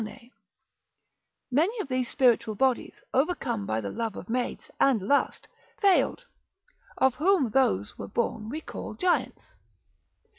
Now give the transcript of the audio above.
Many of those spiritual bodies, overcome by the love of maids, and lust, failed, of whom those were born we call giants.